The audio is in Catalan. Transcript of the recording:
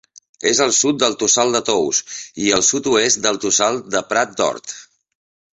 És al sud del Tossal de Tous i al sud-oest del Tossal de Prat d'Hort.